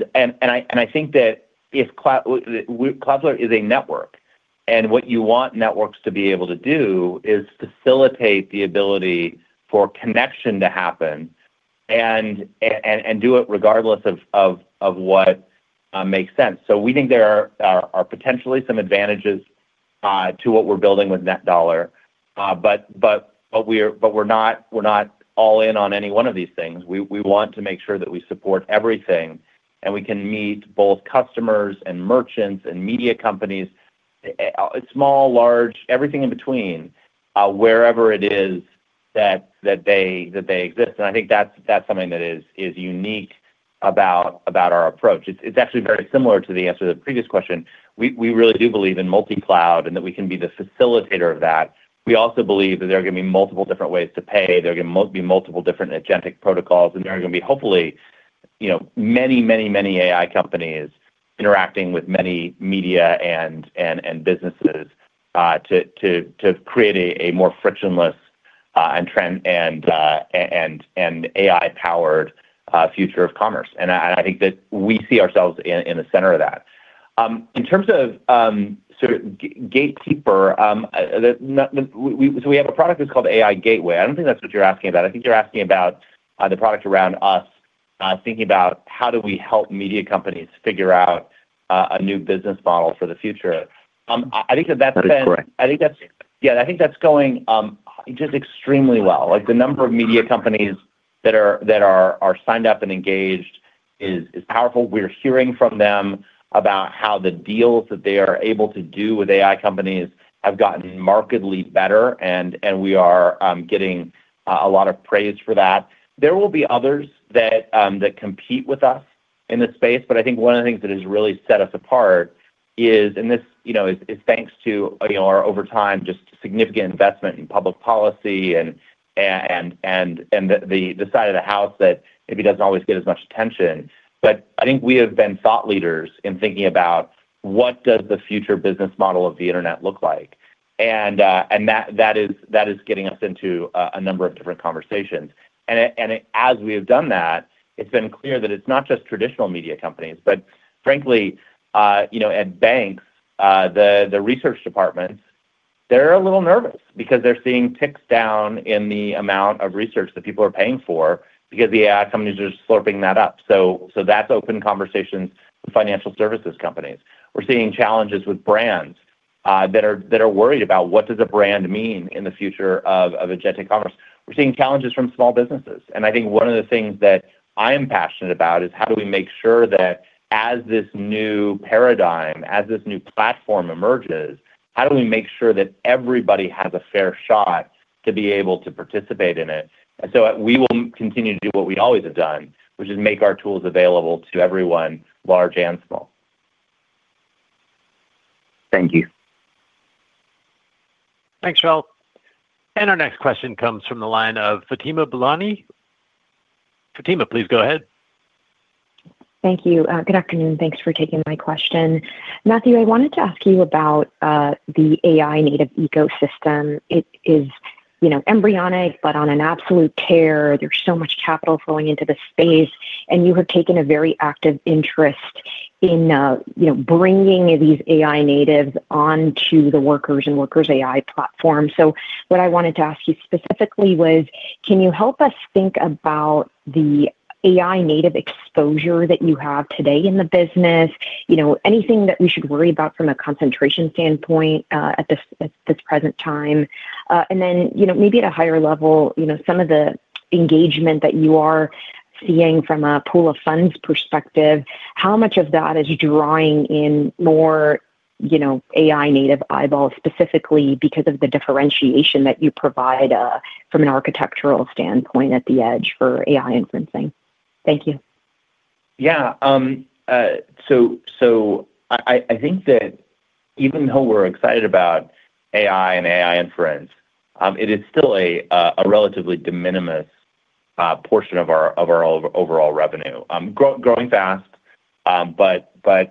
think that Cloudflare is a network, and what you want networks to be able to do is facilitate the ability for connection to happen and do it regardless of what makes sense. We think there are potentially some advantages to what we're building with NET Dollar, but we're not all in on any one of these things. We want to make sure that we support everything and we can meet both customers and merchants and media companies, small, large, everything in between, wherever it is that they exist. I think that's something that is unique about our approach. It's actually very similar to the answer to the previous question. We really do believe in multi-cloud and that we can be the facilitator of that. We also believe that there are going to be multiple different ways to pay. There are going to be multiple different agentic protocols. There are going to be, hopefully, many, many, many AI companies interacting with many media and businesses to create a more frictionless and AI-powered future of commerce. I think that we see ourselves in the center of that. In terms of gatekeeper, we have a product that's called AI Gateway. I don't think that's what you're asking about. I think you're asking about the product around us, thinking about how do we help media companies figure out a new business model for the future. I think that that's been. That's correct. Yeah. I think that's going just extremely well. The number of media companies that are signed up and engaged is powerful. We're hearing from them about how the deals that they are able to do with AI companies have gotten markedly better, and we are getting a lot of praise for that. There will be others that compete with us in this space. I think one of the things that has really set us apart is, and this is thanks to our overtime just significant investment in public policy and the side of the house that maybe doesn't always get as much attention. I think we have been thought leaders in thinking about what does the future business model of the internet look like, and that is getting us into a number of different conversations. As we have done that, it's been clear that it's not just traditional media companies. Frankly, at banks, the research departments, they're a little nervous because they're seeing ticks down in the amount of research that people are paying for because the AI companies are slurping that up. That's open conversations with financial services companies. We're seeing challenges with brands that are worried about what does a brand mean in the future of agentic commerce. We're seeing challenges from small businesses. I think one of the things that I am passionate about is how do we make sure that as this new paradigm, as this new platform emerges, how do we make sure that everybody has a fair shot to be able to participate in it? We will continue to do what we always have done, which is make our tools available to everyone, large and small. Thank you. Thanks, Shaul. Our next question comes from the line of Fatima Bilani. Fatima, please go ahead. Thank you. Good afternoon. Thanks for taking my question. Matthew, I wanted to ask you about the AI-native ecosystem. It is embryonic, but on an absolute tear. There's so much capital flowing into the space, and you have taken a very active interest in bringing these AI natives onto the Workers and Workers AI platform. What I wanted to ask you specifically was, can you help us think about the AI-native exposure that you have today in the business? Anything that we should worry about from a concentration standpoint at this present time? At a higher level, some of the engagement that you are seeing from a pool of funds perspective, how much of that is drawing in more AI-native eyeballs, specifically because of the differentiation that you provide from an architectural standpoint at the edge for AI inference? Thank you. Yeah. I think that even though we're excited about AI and AI inference, it is still a relatively de minimis portion of our overall revenue. Growing fast, but I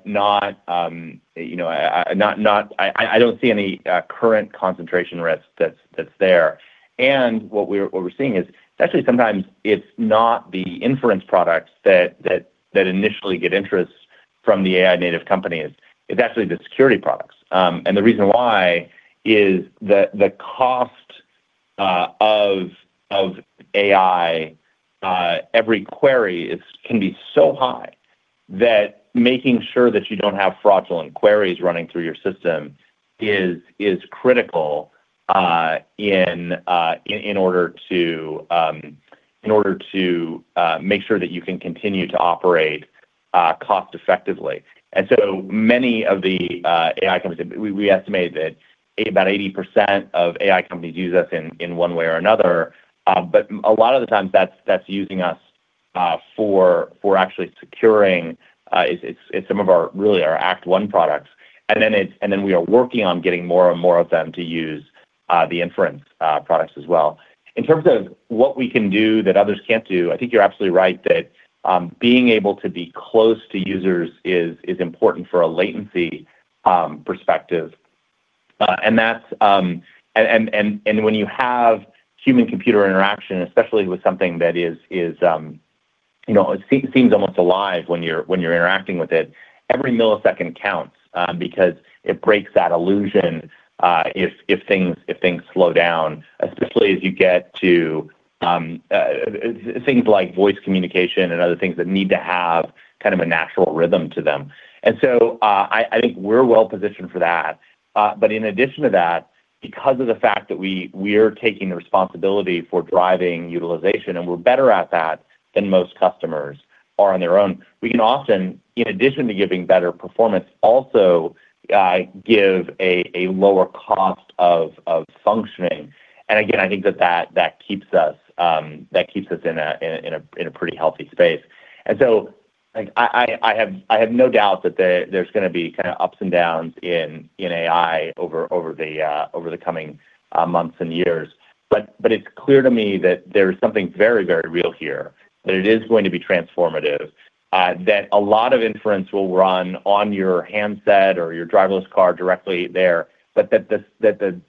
don't see any current concentration risk that's there. What we're seeing is actually sometimes it's not the inference products that initially get interest from the AI-native companies. It's actually the security products. The reason why is that the cost of AI, every query can be so high that making sure that you don't have fraudulent queries running through your system is critical in order to make sure that you can continue to operate cost-effectively. Many of the AI companies, we estimate that about 80% of AI companies use us in one way or another, but a lot of the times, that's using us for actually securing some of our, really, our Act One products. We are working on getting more and more of them to use the inference products as well. In terms of what we can do that others can't do, I think you're absolutely right that being able to be close to users is important for a latency perspective. When you have human-computer interaction, especially with something that seems almost alive when you're interacting with it, every millisecond counts because it breaks that illusion if things slow down, especially as you get to things like voice communication and other things that need to have kind of a natural rhythm to them. I think we're well-positioned for that. In addition to that, because of the fact that we are taking the responsibility for driving utilization and we're better at that than most customers are on their own, we can often, in addition to giving better performance, also give a lower cost of functioning. I think that that keeps us in a pretty healthy space. I have no doubt that there's going to be kind of ups and downs in AI over the coming months and years. It's clear to me that there is something very, very real here, that it is going to be transformative, that a lot of inference will run on your handset or your driverless car directly there, but that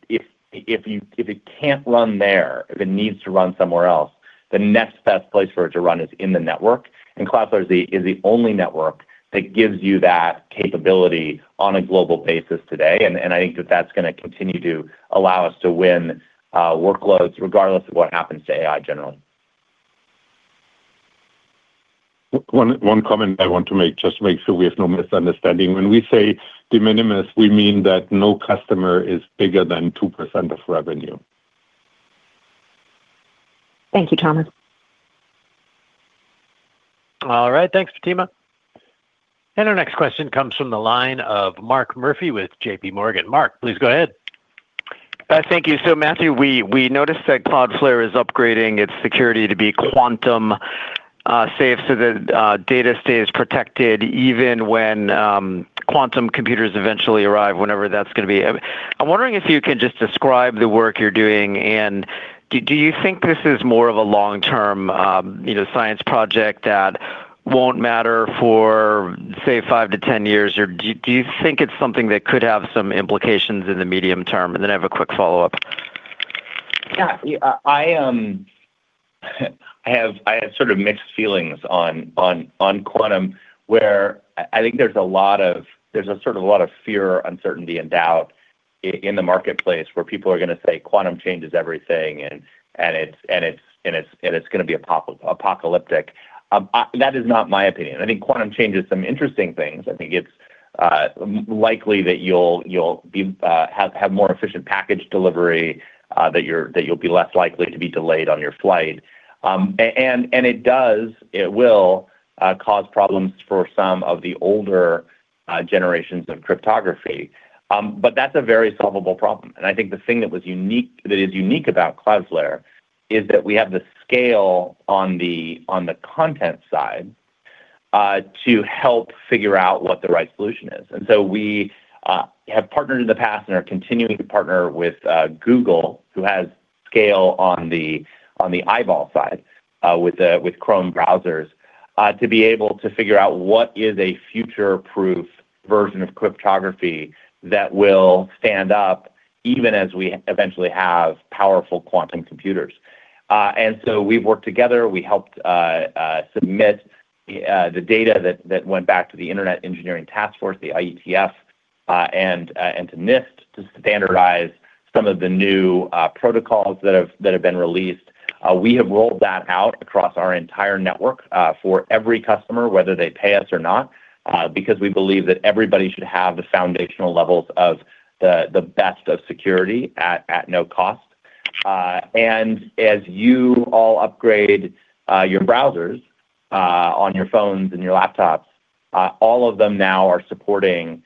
if it can't run there, if it needs to run somewhere else, the next best place for it to run is in the network. Cloudflare is the only network that gives you that capability on a global basis today. I think that that's going to continue to allow us to win workloads regardless of what happens to AI generally. One comment I want to make just to make sure we have no misunderstanding. When we say de minimis, we mean that no customer is bigger than 2% of revenue. Thank you, Thomas. All right. Thanks, Fatima. Our next question comes from the line of Mark Murphy with JPMorgan. Mark, please go ahead. Thank you. Matthew, we noticed that Cloudflare is upgrading its security to be quantum-safe so that data stays protected even when quantum computers eventually arrive, whenever that's going to be. I'm wondering if you can just describe the work you're doing. Do you think this is more of a long-term science project that won't matter for, say, five to 10 years, or do you think it's something that could have some implications in the medium-term? I have a quick follow-up. Yeah. I have sort of mixed feelings on quantum, where I think there's a lot of fear, uncertainty, and doubt in the marketplace where people are going to say quantum changes everything and it's going to be apocalyptic. That is not my opinion. I think quantum changes some interesting things. I think it's likely that you'll have more efficient package delivery, that you'll be less likely to be delayed on your flight. It does, it will cause problems for some of the older generations of cryptography, but that's a very solvable problem. I think the thing that is unique about Cloudflare is that we have the scale on the content side to help figure out what the right solution is. We have partnered in the past and are continuing to partner with Google, who has scale on the eyeball side with Chrome browsers, to be able to figure out what is a future-proof version of cryptography that will stand up even as we eventually have powerful quantum computers. We've worked together. We helped submit the data that went back to the Internet Engineering Task Force, the IETF, and to NIST to standardize some of the new protocols that have been released. We have rolled that out across our entire network for every customer, whether they pay us or not, because we believe that everybody should have the foundational levels of the best of security at no cost. As you all upgrade your browsers on your phones and your laptops, all of them now are supporting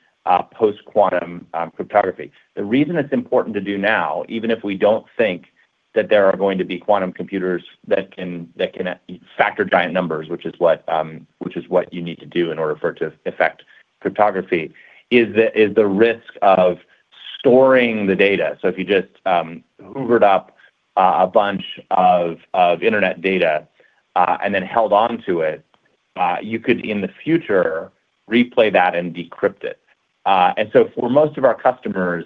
post-quantum cryptography. The reason it's important to do now, even if we don't think that there are going to be quantum computers that can factor giant numbers, which is what you need to do in order for it to affect cryptography, is the risk of storing the data. If you just hoovered up a bunch of internet data and then held onto it, you could, in the future, replay that and decrypt it. For most of our customers,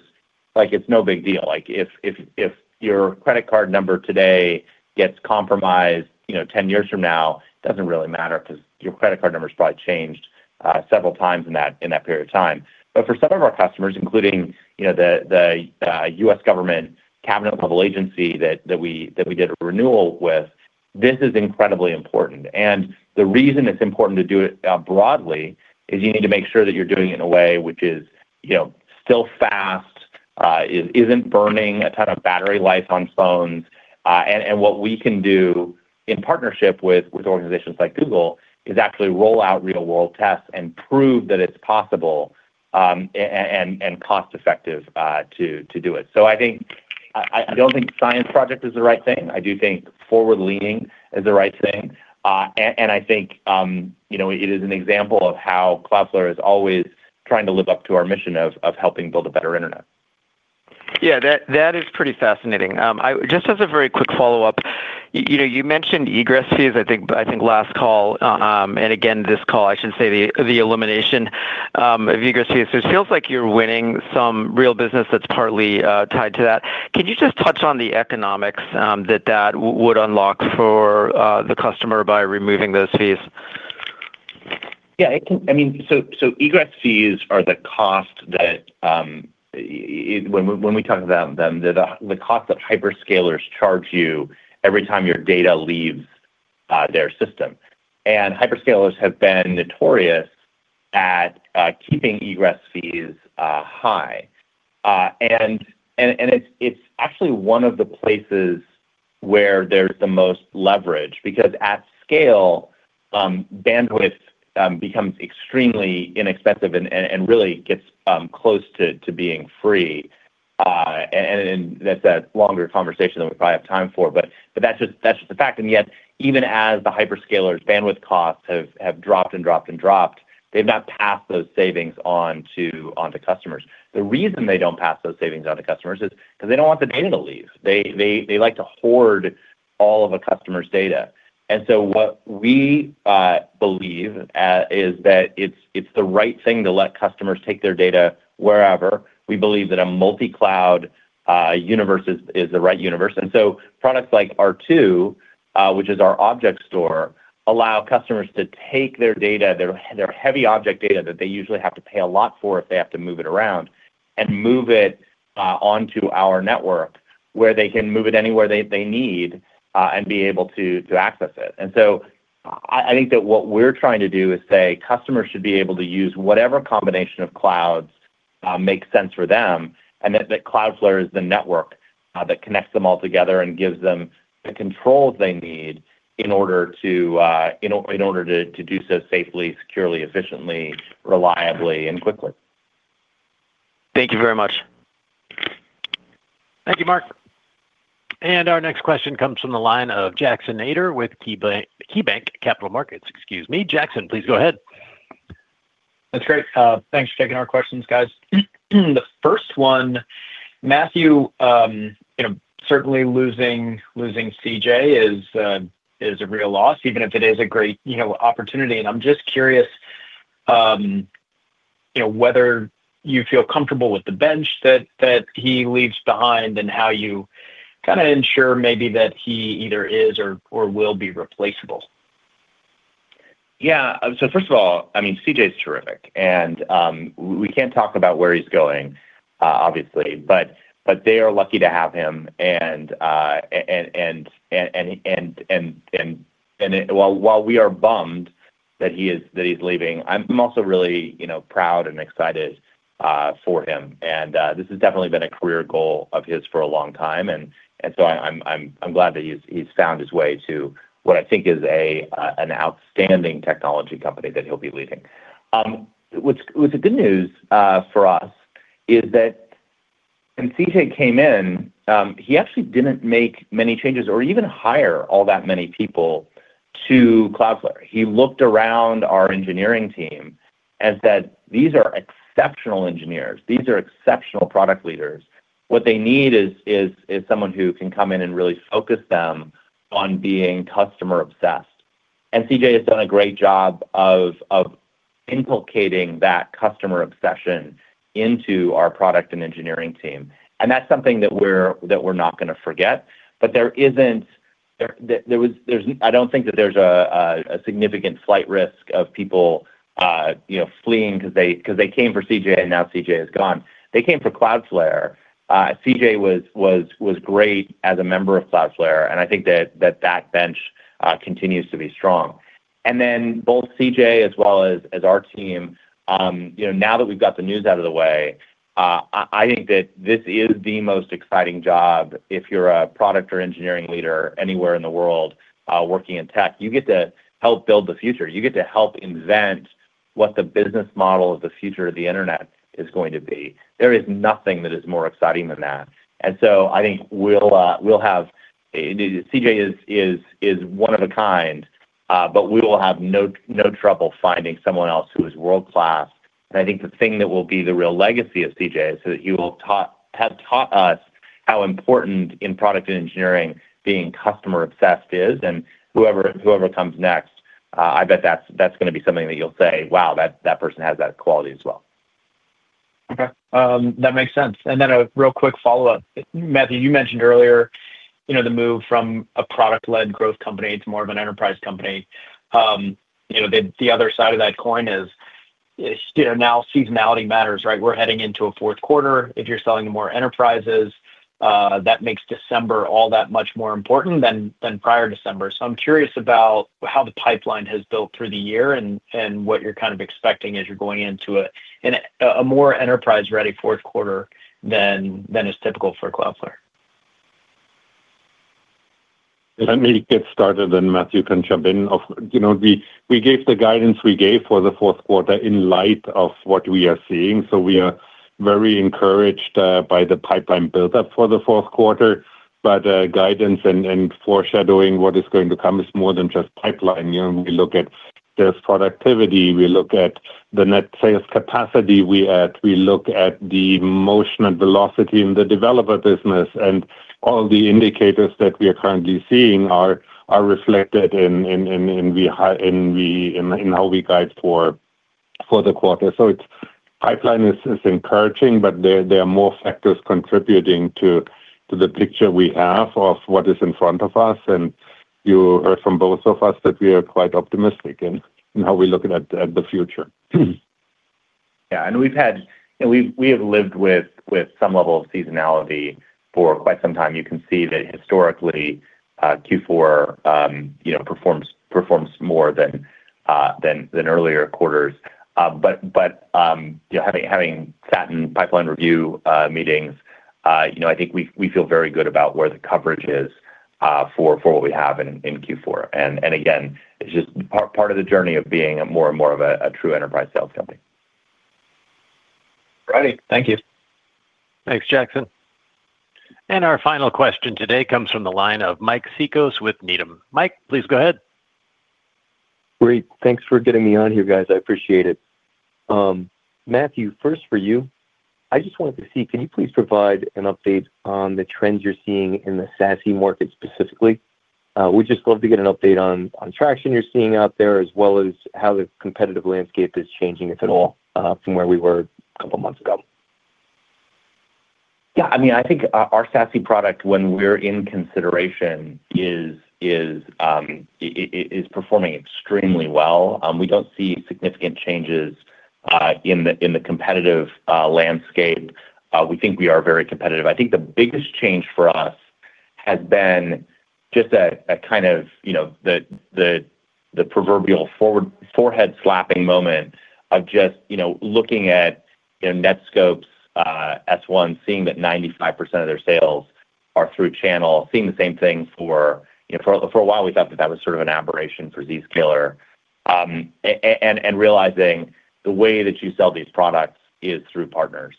it's no big deal. If your credit card number today gets compromised 10 years from now, it doesn't really matter because your credit card number has probably changed several times in that period of time. For some of our customers, including the U.S. government cabinet-level agency that we did a renewal with, this is incredibly important. The reason it's important to do it broadly is you need to make sure that you're doing it in a way which is still fast, isn't burning a ton of battery life on phones, and what we can do. In partnership with organizations like Google, it is actually roll out real-world tests and prove that it's possible and cost-effective to do it. I don't think science project is the right thing. I do think forward-leaning is the right thing. I think it is an example of how Cloudflare is always trying to live up to our mission of helping build a better internet. Yeah, that is pretty fascinating. Just as a very quick follow-up, you mentioned egress fees, I think last call. Again, this call, I should say the elimination of egress fees. It feels like you're winning some real business that's partly tied to that. Can you just touch on the economics that that would unlock for the customer by removing those fees? Yeah. I mean, egress fees are the cost that, when we talk about them, they're the cost that hyperscalers charge you every time your data leaves their system. Hyperscalers have been notorious at keeping egress fees high. It's actually one of the places where there's the most leverage because, at scale, bandwidth becomes extremely inexpensive and really gets close to being free. That's a longer conversation than we probably have time for, but that's just the fact. Yet, even as the hyperscalers' bandwidth costs have dropped and dropped and dropped, they've not passed those savings on to customers. The reason they don't pass those savings on to customers is because they don't want the data to leave. They like to hoard all of a customer's data. What we believe is that it's the right thing to let customers take their data wherever. We believe that a multi-cloud universe is the right universe. Products like R2, which is our object store, allow customers to take their heavy object data that they usually have to pay a lot for if they have to move it around and move it onto our network where they can move it anywhere they need and be able to access it. I think that what we're trying to do is say customers should be able to use whatever combination of clouds makes sense for them, and that Cloudflare is the network that connects them all together and gives them the controls they need in order to do so safely, securely, efficiently, reliably, and quickly. Thank you very much. Thank you, Mark. Our next question comes from the line of Jackson Nader with KeyBanc Capital Markets. Excuse me. Jackson, please go ahead. That's great. Thanks for taking our questions, guys. The first one, Matthew. Certainly losing CJ is a real loss, even if it is a great opportunity. I'm just curious whether you feel comfortable with the bench that he leaves behind and how you kind of ensure maybe that he either is or will be replaceable. Yeah. First of all, CJ is terrific. We can't talk about where he's going, obviously, but they are lucky to have him. While we are bummed that he's leaving, I'm also really proud and excited for him. This has definitely been a career goal of his for a long time, and I'm glad that he's found his way to what I think is an outstanding technology company that he'll be leaving. The good news for us is that when CJ came in, he actually didn't make many changes or even hire all that many people to Cloudflare. He looked around our engineering team and said, "These are exceptional engineers. These are exceptional product leaders. What they need is someone who can come in and really focus them on being customer-obsessed." CJ has done a great job of implicating that customer obsession into our product and engineering team, and that's something that we're not going to forget. I don't think that there's a significant flight risk of people fleeing because they came for CJ and now CJ is gone. They came for Cloudflare. CJ was great as a member of Cloudflare, and I think that that bench continues to be strong. Both CJ as well as our team, now that we've got the news out of the way, I think that this is the most exciting job if you're a product or engineering leader anywhere in the world working in tech. You get to help build the future. You get to help invent what the business model of the future of the internet is going to be. There is nothing that is more exciting than that. I think we'll have CJ is one of a kind, but we will have no trouble finding someone else who is world-class. I think the thing that will be the real legacy of CJ is that he will have taught us how important in product and engineering being customer-obsessed is. Whoever comes next, I bet that's going to be something that you'll say, "Wow, that person has that quality as well. Okay. That makes sense. A real quick follow-up. Matthew, you mentioned earlier the move from a product-led growth company to more of an enterprise company. The other side of that coin is, now seasonality matters, right? We're heading into a fourth quarter. If you're selling to more enterprises, that makes December all that much more important than prior December. I'm curious about how the pipeline has built through the year and what you're kind of expecting as you're going into a more enterprise-ready fourth quarter than is typical for Cloudflare. Let me get started, and Matthew can jump in. We gave the guidance we gave for the fourth quarter in light of what we are seeing. We are very encouraged by the pipeline build-up for the fourth quarter. Guidance and foreshadowing what is going to come is more than just pipeline. We look at sales productivity. We look at the net sales capacity we add. We look at the motion and velocity in the developer business. All the indicators that we are currently seeing are reflected in how we guide for the quarter. Pipeline is encouraging, but there are more factors contributing to the picture we have of what is in front of us. You heard from both of us that we are quite optimistic in how we look at the future. Yeah, we have lived with some level of seasonality for quite some time. You can see that historically, Q4 performs more than earlier quarters. Having sat in pipeline review meetings, I think we feel very good about where the coverage is for what we have in Q4. Again, it's just part of the journey of being more and more of a true enterprise sales company. All right. Thank you. Thanks, Jackson. Our final question today comes from the line of Mike Cikos with Needham. Mike please go ahead. Great. Thanks for getting me on here, guys. I appreciate it. Matthew, first for you. I just wanted to see, can you please provide an update on the trends you're seeing in the SASE market specifically? We'd just love to get an update on traction you're seeing out there as well as how the competitive landscape is changing, if at all, from where we were a couple of months ago. Yeah. I mean, I think our SASE product, when we're in consideration, is performing extremely well. We don't see significant changes in the competitive landscape. We think we are very competitive. I think the biggest change for us has been just a kind of the proverbial forehead-slapping moment of just looking at Netskope's S-1, seeing that 95% of their sales are through channel, seeing the same thing for a while. We thought that that was sort of an aberration for Zscaler, and realizing the way that you sell these products is through partners.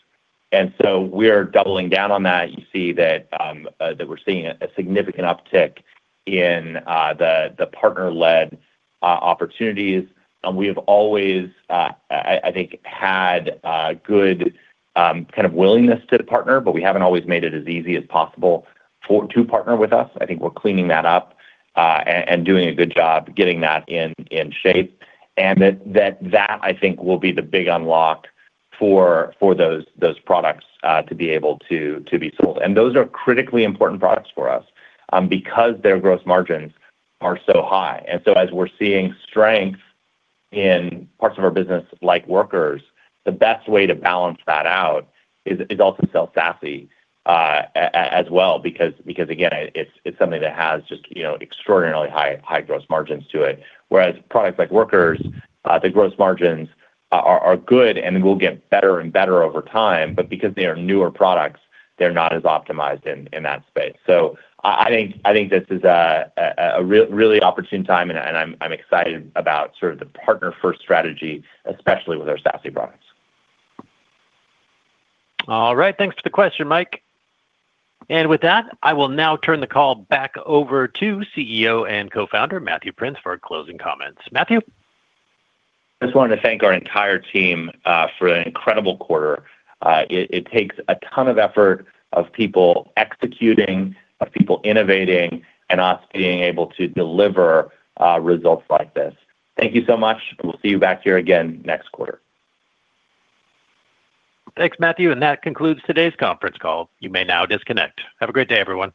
We are doubling down on that. You see that we're seeing a significant uptick in the partner-led opportunities. We have always, I think, had good kind of willingness to partner, but we haven't always made it as easy as possible to partner with us. I think we're cleaning that up and doing a good job getting that in shape. That, I think, will be the big unlock for those products to be able to be sold. Those are critically important products for us because their gross margins are so high. As we're seeing strength in parts of our business like Workers, the best way to balance that out is also to sell SASE as well because, again, it's something that has just extraordinarily high gross margins to it. Whereas products like Workers, the gross margins are good and will get better and better over time, but because they are newer products, they're not as optimized in that space. I think this is a really opportune time, and I'm excited about sort of the partner-first strategy, especially with our SASE products. All right. Thanks for the question, Mike. With that, I will now turn the call back over to CEO and Co-Founder Matthew Prince for closing comments. Matthew? I just wanted to thank our entire team for an incredible quarter. It takes a ton of effort, of people executing, of people innovating, and us being able to deliver results like this. Thank you so much. We'll see you back here again next quarter. Thanks, Matthew. That concludes today's conference call. You may now disconnect. Have a great day, everyone.